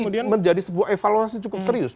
dan ini menjadi sebuah evaluasi cukup serius